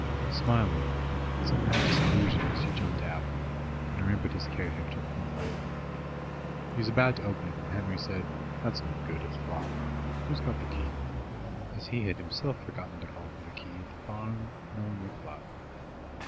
Smiling, but somehow disillusioned, she jumped out, and her impetus carried her to the front door. She was about to open it, when Henry said: "That's no good; it's locked. Who's got the key?" As he had himself forgotten to call for the key at the farm, no one replied.